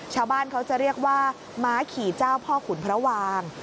ชาวบ้านเขาจะเรียกว่าม้าขี่เจ้าพ่อขุนพระวาง